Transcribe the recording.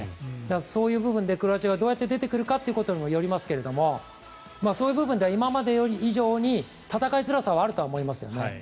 そういう部分でクロアチアはどうやって出てくるかというところにもよりますがそういう部分では今まで以上に戦いづらさはあると思います。